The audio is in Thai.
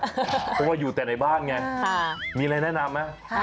เพราะว่าอยู่แต่ในบ้านไงมีอะไรแนะนำไหม